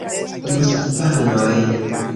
Moskvanoj!